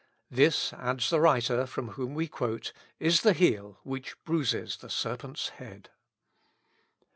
This," adds the writer from whom we quote, "is the heel which bruises the Serpent's head."